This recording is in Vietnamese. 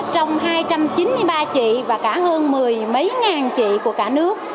trong hai trăm chín mươi ba chị và cả hơn mười mấy ngàn chị của cả nước